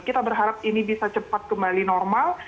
kita berharap ini bisa cepat kembali normal